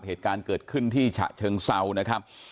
เหตุการณ์เกิดขึ้นที่ฉะเชิงเซานะครับ